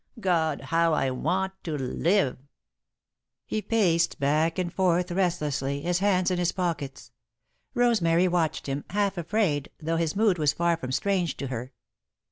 God, how I want to live!" He paced back and forth restlessly, his hands in his pockets. Rosemary watched him, half afraid, though his mood was far from strange to her.